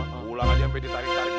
pulang aja sampe ditarik tarik lu gitu